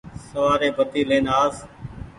سوآري بتي لين آس ۔